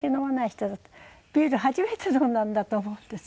ビール初めて飲んだんだと思うんですよね。